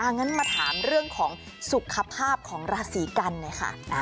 งั้นมาถามเรื่องของสุขภาพของราศีกันหน่อยค่ะ